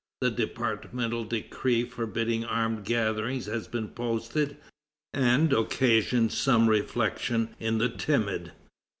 The departmental decree forbidding armed gatherings had been posted, and occasioned some reflection in the timid.